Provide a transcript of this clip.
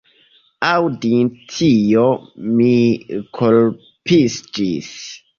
Aŭdinte tion, mi kolapsiĝis.